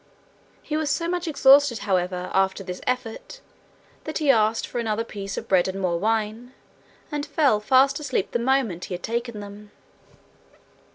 He was so much exhausted, however, after this effort, that he asked for another piece of bread and more wine, and fell fast asleep the moment he had taken them.